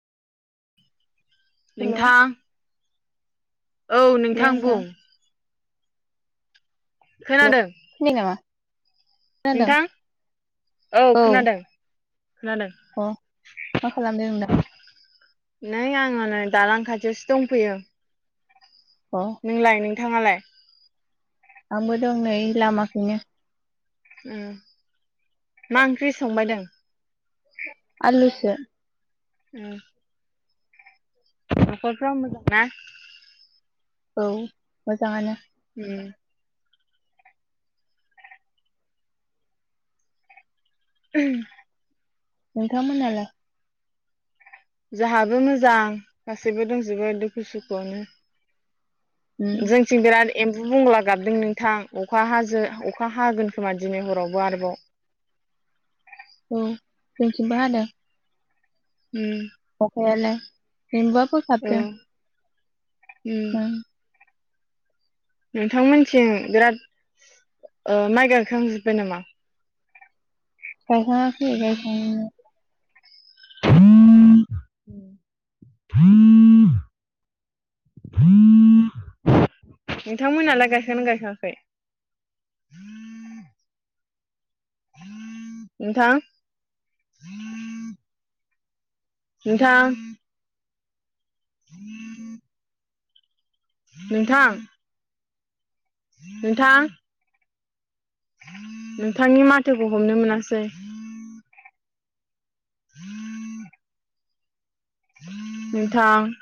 हेल' नोंथां। औ नोंथां बुं। खोनादों। [unintelligible] नोंथां खोनादों औ खोनादों खोनादों। अ मा खालामदों नों दा। नै आङो नै दालां खाथियावसो दंफैयो। अ नोंलाय नोंथाङालाय। आंबो दं नै लामाखैनो। उम मा ओंख्रि संबायदों। आलुसो। उम। नखरफोराव मोजांना? औ मोजाङानो। उम। [unintelligible] नोंथांमोनहालाय। जाहाबो मोजां गासैबो दंजोबो दुखु सुखुआवनो। उम। जोंनिथिं बिराद एम्बु बुंला गाबदों नोंथां अखा हाजो अखा हागोन खोमा दिनै हरावबो आरोबाव। औ जोंथिंबो हादों। उम। अखायानो हेमबुआबो। औ उम। नोंथांमोनथिं बिराद ओ माइ गायखांजोब्बाय नामा? गायखांआखै गायखांनो। [unintelligible] नोंथांमोनालाय गायखांदोना गायखांआखै? नोंथां। नोंथां। [inaudible] नोंथां नोंथां नोंथांनि माथोखौ हमनो मोनासै। नोंथां